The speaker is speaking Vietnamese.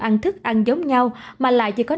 ăn thức ăn giống nhau mà lại chỉ có